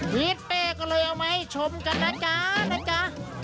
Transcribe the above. พีชเต้เลยเอามาให้ชมกันนะจ๊ะ